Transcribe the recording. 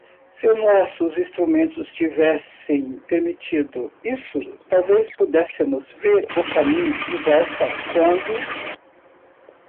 Se nossos instrumentos tivessem permitido isso, talvez pudéssemos ver o caminho de volta quando.